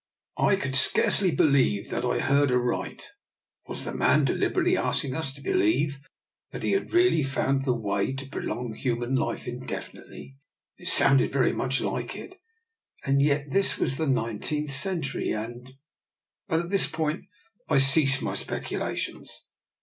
'* I could scarcely believe that I heard aright. Was the man deliberately asking us to be lieve that he had really found the way to pro long human life indefinitely? It sounded very much like it, and yet this was the Nine teenth Century and ... But at this point I ceased my speculations.